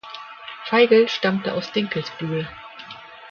Feigl stammte aus Dinkelsbühl.